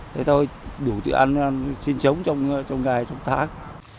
thế thôi đủ tự ăn sinh sống trong ngày trong tháng